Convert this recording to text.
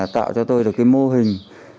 tạo cho tôi được cái mô hình